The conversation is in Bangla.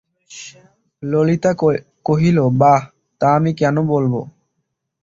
ললিতা কহিল, বাঃ, তা আমি কেন বলব?